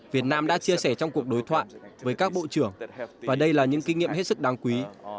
việt nam đã chia sẻ trong cuộc đối thoại với các bộ trưởng và đây là những kinh nghiệm hết sức đáng quý